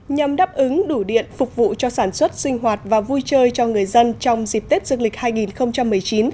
nhằm đáp ứng đủ điện phục vụ cho sản xuất sinh hoạt và vui chơi cho người dân trong dịp tết dương lịch hai nghìn một mươi chín